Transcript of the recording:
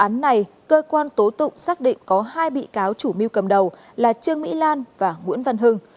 tại tòa ngày hôm nay cơ quan tố tụ xác định có hai bị cáo chủ mưu cầm đầu là trương mỹ lan và nguyễn văn hưng